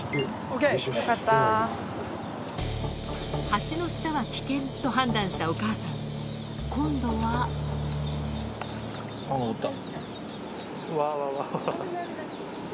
橋の下は危険と判断したお母さん今度はうわうわ。